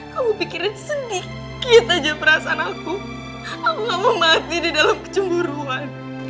kamu pikirin sedikit aja perasaan aku aku mati di dalam kecemburuan